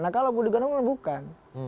nah kalau budi karno bukan